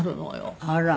あら。